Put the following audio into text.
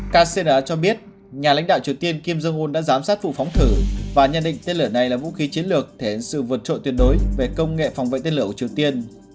kcna cho biết nhà lãnh đạo triều tiên kim jong un đã giám sát vụ phóng thử và nhận định tên lửa này là vũ khí chiến lược thể hiện sự vượt trội tuyệt đối về công nghệ phòng vệ tên lửa của triều tiên